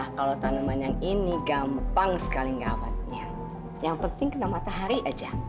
hai nah kalau tanaman yang ini gampang sekali ngawetnya yang penting kena matahari aja